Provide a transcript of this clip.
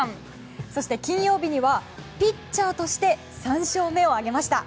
そして、金曜日にはピッチャーとして３勝目を挙げました。